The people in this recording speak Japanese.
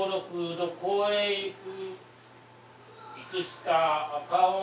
どこへ行く。